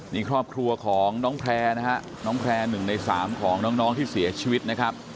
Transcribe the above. นี่ครอบครัวของน้องแคลร์นะครับน้องแคลร์หนึ่งในสามของน้องที่เสียชีวิตนะครับ